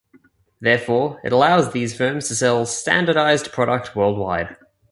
Therefore, it allows these firms to sell a standardized product worldwide.